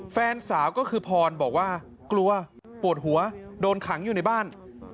แฟนสาวก็คือพรบอกว่ากลัวปวดหัวโดนขังอยู่ในบ้าน